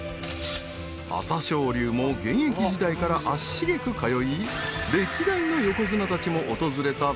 ［朝青龍も現役時代から足しげく通い歴代の横綱たちも訪れた名店］